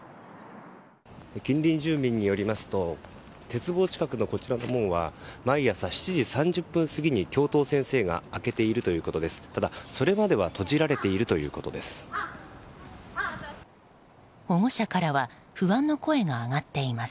近隣住民によりますと鉄棒近くの、こちらの門は毎朝７時３０分過ぎに教頭先生が開けているということです。